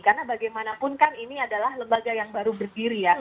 karena bagaimanapun ini adalah lembaga yang baru berdiri